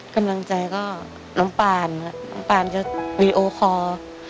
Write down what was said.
กำลังใจก็น้องปานน้องปานจะวีดีโอคอร์